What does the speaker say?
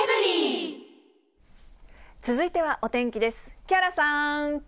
続いてはお天気です。